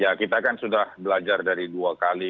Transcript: ya kita kan sudah belajar dari dua kali